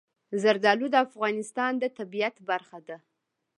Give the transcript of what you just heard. زردالو د افغانستان د طبیعت برخه ده.